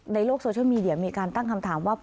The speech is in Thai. ในโลกโซเชียลมีเดียมีการตั้งคำถามว่า